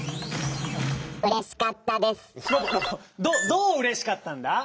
どどううれしかったんだ？